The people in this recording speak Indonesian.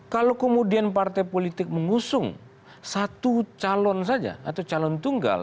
kalau kemudian partai politik mengusung satu calon saja atau calon tunggal